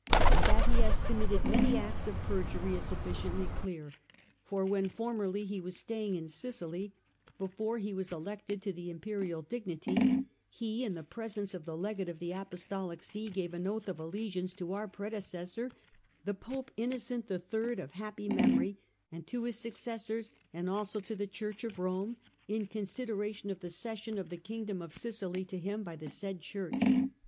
And that he has committed many acts of perjury is sufficiently clear, for when formerly he was staying in Sicily, before he was elected to the Imperial dignity, he, in the presence of the Legate of the Apostolic See, gave an oath of alle giance to our predecessor, the Pope Innocent the Third, of happy memory, and to his successors, and also to the Church of Rome, in consideration of the cession of the Kingdom of SiciJy to him by the said Church.